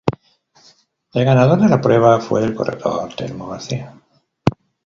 El ganador de la prueba fue el corredor Telmo García.